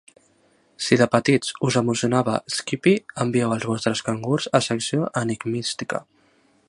Si de petits us emocionava “Skippy”, envieu els vostres cangurs a Secció Enigmística.